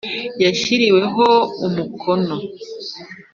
yashyiriweho umukono